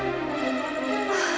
nanti kita ke rumah